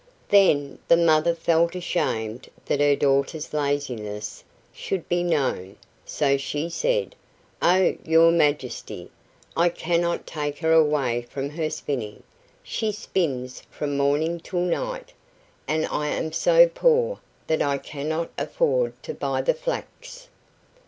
Then the mother felt ashamed that her daughter's laziness should be known, so she said: "Oh, your Majesty, I cannot take her away from her spinning: she spins from morning till night, and I am so poor that I cannot afford to buy the flax."